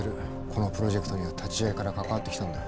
このプロジェクトには立ち上げから関わってきたんだ。